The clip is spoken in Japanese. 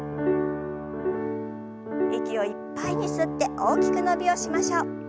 息をいっぱいに吸って大きく伸びをしましょう。